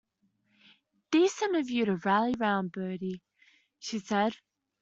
"Decent of you to rally round, Bertie," she said.